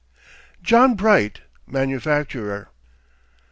JOHN BRIGHT. MANUFACTURER.